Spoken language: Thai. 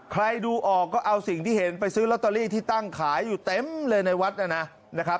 ใครดูออกก็เอาสิ่งที่เห็นไปซื้อลอตเตอรี่ที่ตั้งขายอยู่เต็มเลยในวัดนะครับ